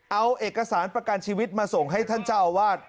เอาเอกสารประกันชีวิตมาส่งให้ท่านเจ้าอาวาส